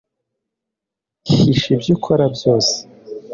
hisha ibyo ukora byose